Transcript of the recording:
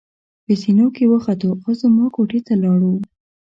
په زېنو کې وختو او زما کوټې ته ولاړو.